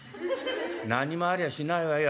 何もありゃしないわよ。